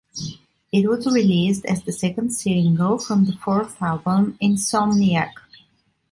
It was released as the second single from their fourth album, "Insomniac".